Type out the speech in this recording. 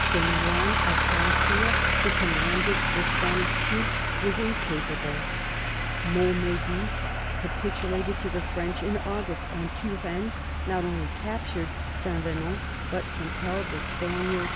Don John of Austria, who com manded the Spanish troops, was incapable ; Montm^dy capitulated to the French in August ; and Turenne not only captured Saint Venant, but compelled the Spaniards 186 CHAP.